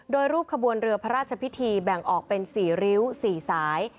โดยรูปขบวนเรือพระราชพิธีแบ่งออกเป็น๔ริ้ว๔สาย